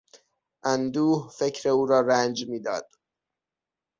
اندوه فکر او را رنج میداد.